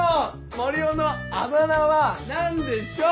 森生のあだ名は何でしょう？